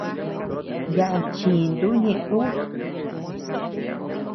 Yaʼa chin tu ñeʼe ú.